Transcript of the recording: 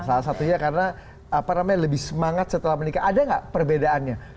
salah satunya karena apa namanya lebih semangat setelah menikah ada nggak perbedaannya